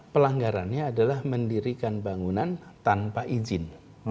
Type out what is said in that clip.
pelanggarannya adalah mendirikan bangunan tanpa izin